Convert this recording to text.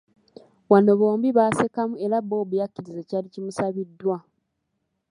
Wano bombi baasekamu era Bob yakkiriza ekyali kimusabiddwa.